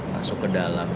masuk ke dalam